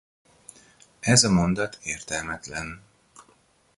A raktár és a harcoló alakulatok közötti utat a Sd.Kfz.